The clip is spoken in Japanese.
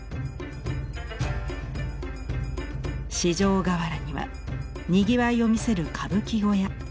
四条河原にはにぎわいを見せる歌舞伎小屋。